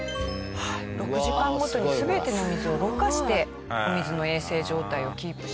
６時間ごとに全ての水をろ過してお水の衛生状態をキープしています。